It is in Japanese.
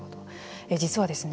実はですね